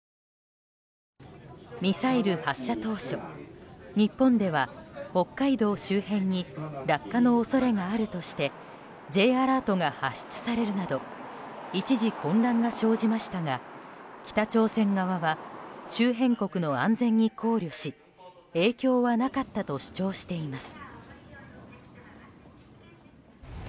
ミサイル発射当初、日本では北海道周辺に落下の恐れがあるとしてＪアラートが発出されるなど一時、混乱が生じましたが北朝鮮側は周辺国の安全に考慮し影響はなかったと主張しています。